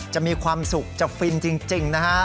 จะมีความสุขจะฟินจริงนะฮะ